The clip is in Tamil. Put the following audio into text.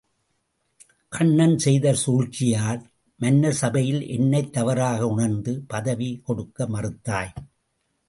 கண்ணன் செய்த சூழ்ச்சியால் மன்னர் சபையில் என்னைத் தவறாக உணர்ந்து பதவி கொடுக்க மறுத்தாய்.